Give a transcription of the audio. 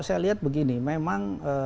saya lihat begini memang